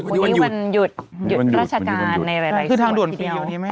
วันนี้มันหยุดหยุดราชกาญในหลายหลายส่วนที่เดียวคือทางด่วนฟรีอย่างเงี้ยไหม